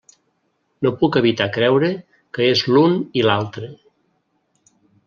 No puc evitar creure que és l'un i l'altre.